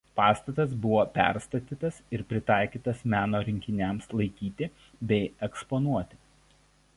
Pastatas buvo perstatytas ir pritaikytas meno rinkiniams laikyti bei eksponuoti.